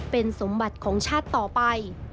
เป็นสมบัติของชาติต่อไป